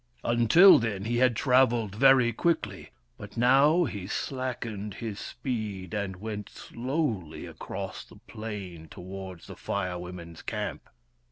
Until then he had travelled very quickly. But now he slackened his speed and went slowly across the plain towards the Fire Women's camp.